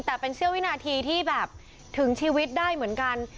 แต่เป็นเสี้ยววินาทีที่แบบถึงชีวิตได้เหมือนกัน